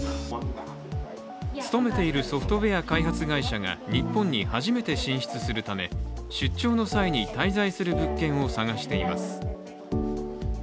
勤めているソフトウエア開発会社が日本に初めて進出するため、出張の際に滞在する物件を探しています。